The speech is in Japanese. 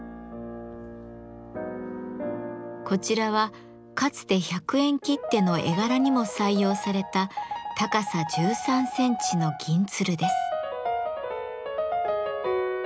こちらはかつて１００円切手の絵柄にも採用された高さ１３センチの「銀鶴」です。